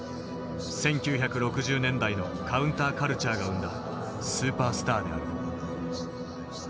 １９６０年代のカウンター・カルチャーが生んだスーパースターである。